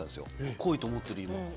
濃いと思ってる今。